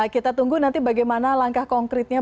kita tunggu nanti bagaimana langkah konkretnya